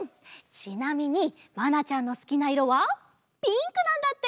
ちなみにまなちゃんのすきないろはピンクなんだって！